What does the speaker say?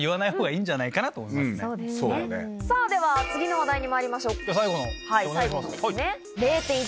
では次の話題にまいりましょう。